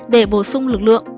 để bổ sung lực lượng